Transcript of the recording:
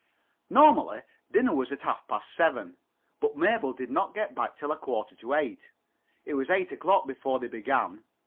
Normally dinner was at half past seven. But Mabel did not get back till a quarter to eight. It was eight o'clock before they began.